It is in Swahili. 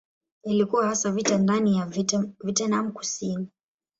Ilikuwa hasa vita ndani ya Vietnam Kusini.